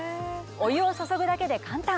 お湯を注ぐだけで簡単。